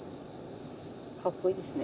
かっこいいですね。